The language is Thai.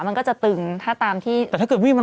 มันก็จะตึงถ้าตามที่น้องสมธิษฐาน